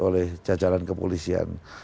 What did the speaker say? oleh jajaran kepolisian